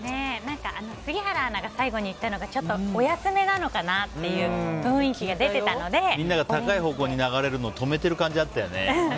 杉原アナが最後に言ったのがお安めなのかなっていうみんなが高い方向に流れるのを止めてる感じがあったよね。